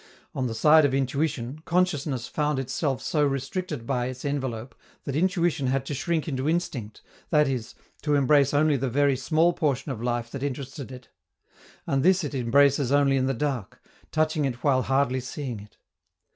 On the side of intuition, consciousness found itself so restricted by its envelope that intuition had to shrink into instinct, that is, to embrace only the very small portion of life that interested it; and this it embraces only in the dark, touching it while hardly seeing it.